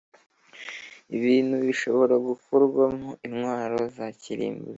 Ibibintu bishobora gukorwamo intwaro za kirimbuzi